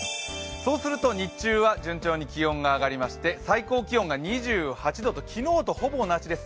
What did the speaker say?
そうすると日中は順調に気温が上がりまして最高気温が２８度と昨日とほぼ同じです。